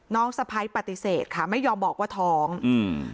สะพ้ายปฏิเสธค่ะไม่ยอมบอกว่าท้องอืม